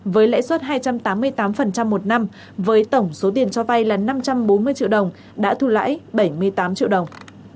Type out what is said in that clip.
với lãi suất hai trăm tám mươi tám một năm với tổng số tiền cho vay là năm trăm bốn mươi triệu đồng đã thu lãi bảy mươi tám triệu đồng